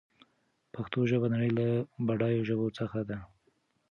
پښتو ژبه د نړۍ له بډايو ژبو څخه ده.